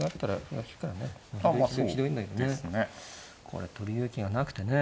これ取る勇気がなくてね